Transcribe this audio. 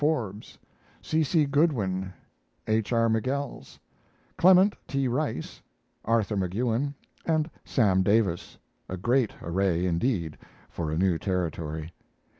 Forbes, C. C. Goodwin, H. R. Mighels, Clement T. Rice, Arthur McEwen, and Sam Davis a great array indeed for a new Territory.